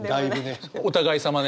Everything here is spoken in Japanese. お互いさまね！